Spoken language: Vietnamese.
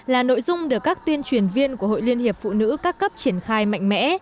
là nội dung được các tuyên truyền viên của hội liên hiệp phụ nữ các cấp triển khai mạnh mẽ